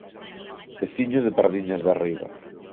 Veciño de Pardiñas de Arriba.